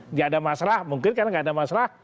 nggak ada masalah mungkin karena nggak ada masalah